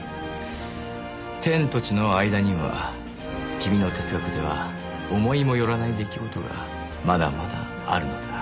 「天と地の間には君の哲学では思いもよらない出来事がまだまだあるのだ」。